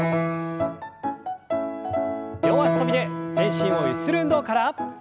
両脚跳びで全身をゆする運動から。